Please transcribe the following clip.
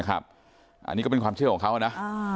อันนี้ก็เป็นความเชื่อของเขานะ